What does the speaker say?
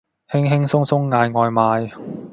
輕輕鬆鬆嗌外賣